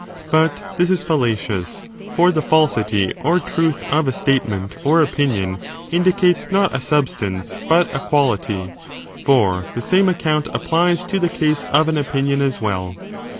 But this is fallacious, for the falsity or truth of a statement or opinion indicates not a substance but a quality : for the same account applies to the case of an opinion as well.